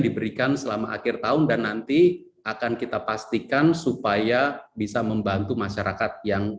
diberikan selama akhir tahun dan nanti akan kita pastikan supaya bisa membantu masyarakat yang